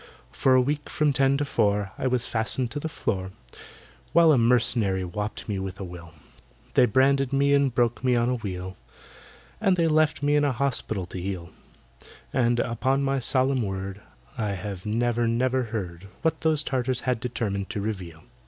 For a week from ten to four I was fastened to the floor, While a mercenary wopped me with a will They branded me and broke me on a wheel, And they left me in an hospital to heal; And, upon my solemn word, I have never never heard What those Tartars had determined to reveal.